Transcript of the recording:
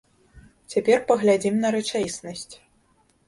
Цяпер паглядзім на рэчаіснасць.